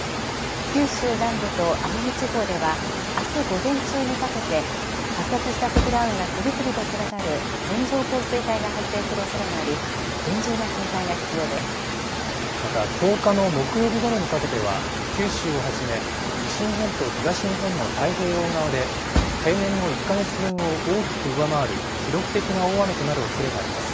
九州南部と奄美地方では、あす午前中にかけて、発達した積乱雲が次々と連なる線状降水帯が発生するおそれがあり、また、１０日の木曜日ごろにかけては九州をはじめ、西日本と東日本の太平洋側で、平年の１か月分を大きく上回る記録的な大雨となるおそれがあります。